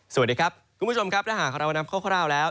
สวัสดีครับคุณผู้ชมครับถ้าหากเรานำคร่าวแล้ว